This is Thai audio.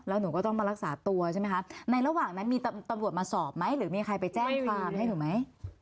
แล้วหนูก็ต้องมารักษาตัวใช่ไหมคะในระหว่างนั้นมีตำรวจมาสอบไหมหรือมีใครไปแจ้งความให้หนูไหม